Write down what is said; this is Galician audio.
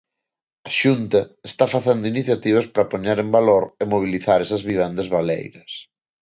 A Xunta está facendo iniciativas para poñer en valor e mobilizar esas vivendas baleiras.